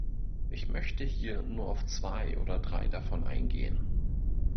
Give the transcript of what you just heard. Ich möchte hier nur auf zwei oder drei davon eingehen.